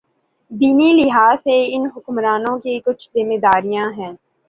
دینی لحاظ سے ان حکمرانوں کی کچھ ذمہ داریاں ہیں۔